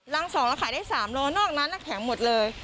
ลังสองเราขายได้สามนอกนั้นนักแข็งหมดเลย